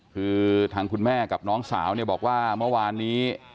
คือทางคุณแม่กับน้องสาวเนี่ยบอกว่าเมื่อวานนี้